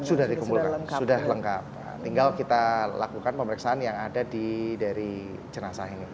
sudah dikumpulkan sudah lengkap tinggal kita lakukan pemeriksaan yang ada dari jenazah ini